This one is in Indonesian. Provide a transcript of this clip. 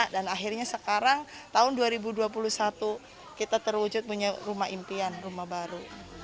dan akhirnya sekarang tahun dua ribu dua puluh satu kita terwujud punya rumah impian rumah baru